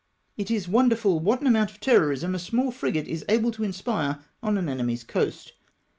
It is wonderful Avhat an amount of terrorism a small frigate is able to inspire on an enemy's coast.